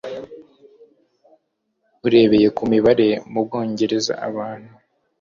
Urebeye ku mibare mu Bwongereza abantu